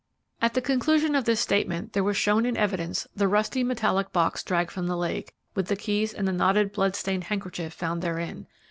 At the conclusion of this statement, there was shown in evidence the rusty metallic box dragged from the lake with the keys and the knotted, blood stained handkerchief found therein.